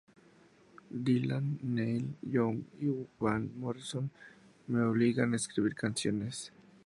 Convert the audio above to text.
Dylan, Neil Young y Van Morrison me obligan a escribir canciones.